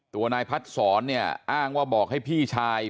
ตัวนายพัดศรเนี่ยอ้างว่าบอกให้พี่ชาย